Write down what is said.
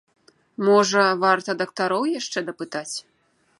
Можа, варта дактароў яшчэ дапытаць?